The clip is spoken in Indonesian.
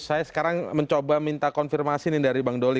saya sekarang mencoba minta konfirmasi nih dari bang doli